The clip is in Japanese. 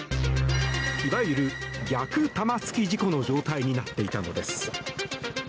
いわゆる逆玉突き事故の状態になっていたのです。